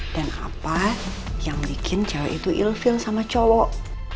dan apa yang bikin cewek itu ill feel sama cowok